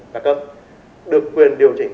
đặc cấp được quyền điều chỉnh